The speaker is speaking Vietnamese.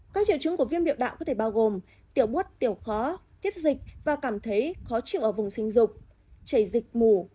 các triệu chứng của viêm niệu đạo có thể bao gồm tiểu bút tiểu khó tiết dịch và cảm thấy khó chịu ở vùng sinh dục chảy dịch mủ